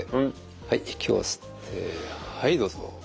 はい息を吸ってはいどうぞ。